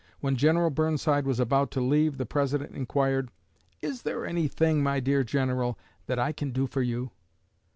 When General Burnside was about to leave, the President inquired, 'Is there anything, my dear General, that I can do for you?'